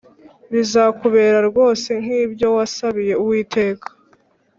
Bizakubera rwose nk ibyo wasabiye Uwiteka